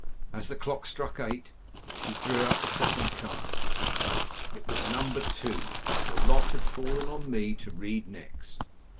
As the clock struck eight she drew out the second card. It was Number Two. The lot had fallen on me to read next.